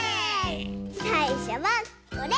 さいしょはこれ。